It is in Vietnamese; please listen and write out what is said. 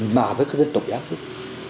mà với các dân tộc giáo thức